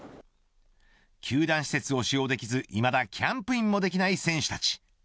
球団施設を使用できずいまだキャンプインもできない選手たち